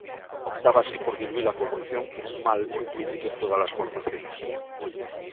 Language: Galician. Optaba así por diluír a corrupción como un 'mal' implícito en todas as formacións.